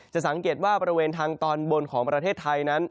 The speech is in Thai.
สังเกตว่าบริเวณทางตอนบนของประเทศไทยนั้น